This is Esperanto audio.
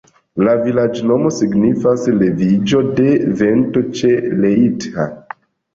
La vilaĝnomo signifas: leviĝo de vento ĉe Leitha.